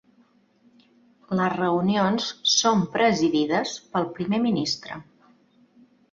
Les reunions són presidides pel primer ministre.